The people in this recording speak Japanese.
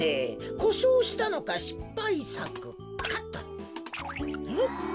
こしょうしたのかしっぱいさくかと。